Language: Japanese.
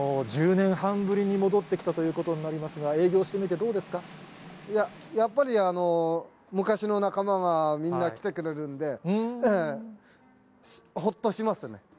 １０年半ぶりに戻ってきたということになりますが、やっぱり、昔の仲間がみんな来てくれるんで、ほっとしますね。